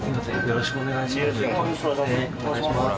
よろしくお願いします。